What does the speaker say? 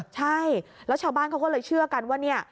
ใช่แล้วชาวบ้านเขาก็เลยเชื่อกันว่าเนี่ย